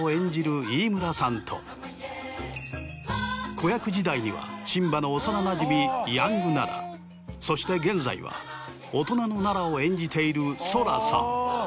子役時代にはシンバの幼なじみヤングナラそして現在は大人のナラを演じている。